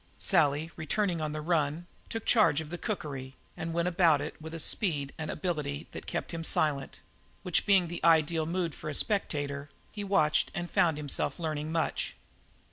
Sally, returning on the run, took charge of the cookery and went about it with a speed and ability that kept him silent; which being the ideal mood for a spectator, he watched and found himself learning much.